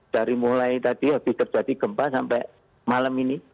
dari mulai tadi habis terjadi gempa sampai malam ini